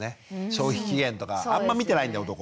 消費期限とかあんま見てないんだよ男。